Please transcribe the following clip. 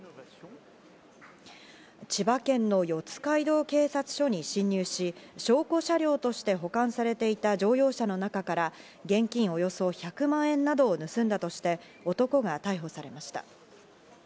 千葉県の四街道警察署に侵入し、証拠車両として保管されていた乗用車の中から現金およそ１００万円などを盗んだとして男が逮捕されました。